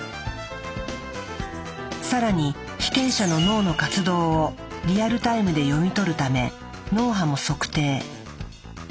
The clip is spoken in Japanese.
更に被験者の脳の活動をリアルタイムで読み取るため脳波も測定。